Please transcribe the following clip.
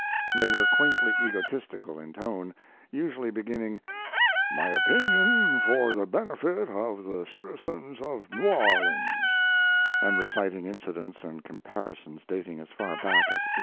They were quaintly egotistical in tone, usually beginning: "My opinion for the benefit of the citizens of New Orleans," and reciting incidents and comparisons dating as far back as 1811.